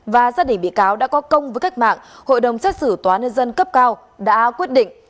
và gia đình bị cáo đã có công với cách mạng hội đồng xét xử tòa nhân dân cấp cao đã quyết định